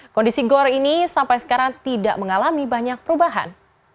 kondisi gor ini sampai sekarang tidak mengalami banyak perubahan